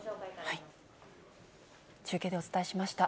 中継でお伝えしました。